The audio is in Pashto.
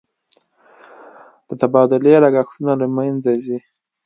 د تبادلې لګښتونه له مینځه ځي.